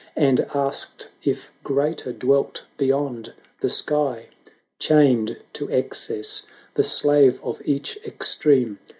And asked if greater dwelt beyond the sky: Chained to excess, the slave of each ex treme.